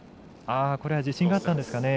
自信があったんですかね。